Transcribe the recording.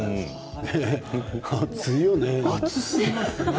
暑いよね。